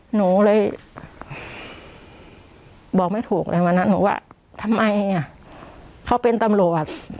หนูเลยบอกไม่ถูกเลยวันนั้นหนูว่าทำไมอ่ะเขาเป็นตำรวจ